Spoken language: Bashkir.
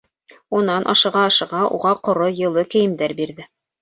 Унан, ашыға-ашыға, уға ҡоро, йылы кейемдәр бирҙе.